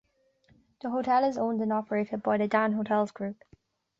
The hotel is owned and operated by the Dan Hotels group.